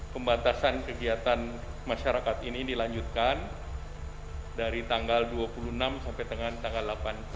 pembatasan kegiatan masyarakat ini dilanjutkan dari tanggal dua puluh enam sampai dengan tanggal delapan